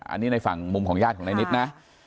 อันนี้ในฝั่งมุมของญาติของนายนิดนะ